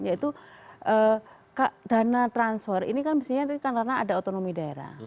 yaitu dana transfer ini kan mestinya karena ada otonomi daerah